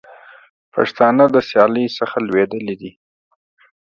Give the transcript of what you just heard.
پښتانه د سیالۍ څخه لوېدلي دي.